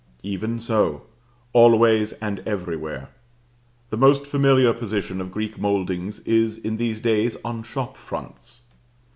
Even so; always and everywhere. The most familiar position of Greek mouldings is in these days on shop fronts.